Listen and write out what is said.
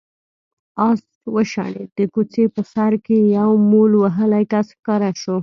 آس وشڼېد، د کوڅې په سر کې يو مول وهلی کس ښکاره شو.